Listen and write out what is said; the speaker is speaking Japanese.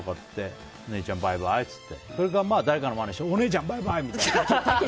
お姉ちゃん、バイバイってそれか、誰かのまねしてお姉ちゃん、バイバイ！って。